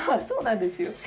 そうなんですよ。